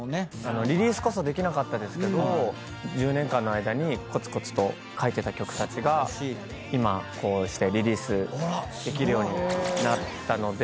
リリースこそできなかったですけど１０年間の間にこつこつと書いてた曲たちが今こうしてリリースできるようになったので。